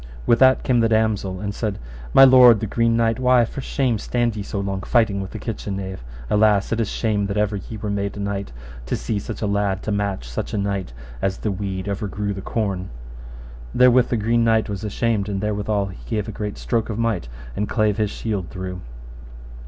With that came the damosel, and said, My lord the Green Knight, why for shame stand ye so long fighting with the kitchen knave? Alas, it is shame that ever ye were made knight, to see such a lad to match such a knight, as the weed overgrew the corn. Therewith the Green Knight was ashamed, and therewithal he gave a great stroke of might, and clave his shield through.